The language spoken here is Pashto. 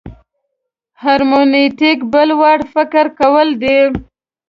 هرمنوتیک بل وړ فکر کول دي.